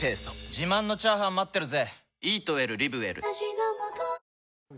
自慢のチャーハン待ってるぜ！